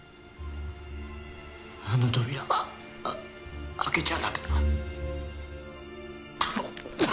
あの扉は開けちゃ駄目だ。